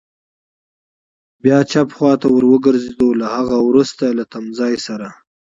بیا چپ خوا ته ور وګرځېدو، له هغه وروسته له تمځای سره.